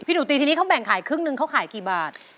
หนูตีทีนี้เขาแบ่งขายครึ่งนึงเขาขายกี่บาท